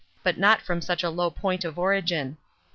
but not from such a low point of origin.